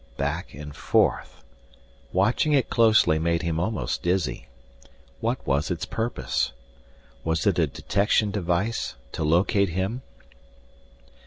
Back and forth watching it closely made him almost dizzy. What was its purpose? Was it a detection device, to locate him?